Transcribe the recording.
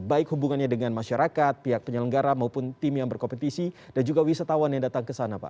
baik hubungannya dengan masyarakat pihak penyelenggara maupun tim yang berkompetisi dan juga wisatawan yang datang ke sana pak